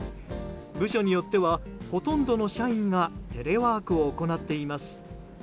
部署によってはほとんどの社員がテレワークを行っています。